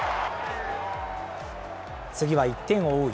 次は１点を追う